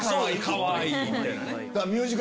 かわいい！みたいなね。